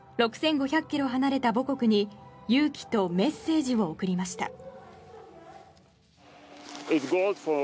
６５００ｋｍ離れた母国に勇気とメッセージを送りました。